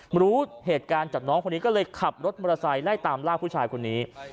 รู้เหตุการณ์จากน้องคนนี้ก็เลยขับรถมอเตอร์ไซค์ไล่ตามลากผู้ชายคนนี้